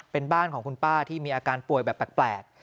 เป็นบ้านของคุณป้าที่มีอาการป่วยแบบแปลก